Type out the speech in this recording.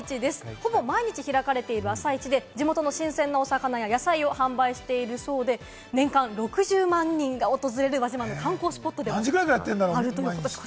ほぼ毎日開かれている朝市で、地元の新鮮なお魚や野菜を販売しているそうで、年間６０万人が訪れる輪島の観光スポットでもあるそうです。